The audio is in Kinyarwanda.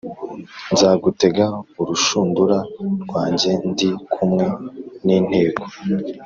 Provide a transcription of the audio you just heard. Nzagutega urushundura rwanjye ndi kumwe n inteko